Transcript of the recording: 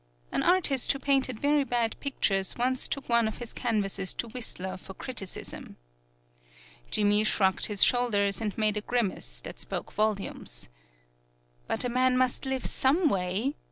An artist who painted very bad pictures once took one of his canvases to Whistler for criticism. Jimmy shrugged his shoulders and made a grimace that spoke volumes. "But a man must live some way!"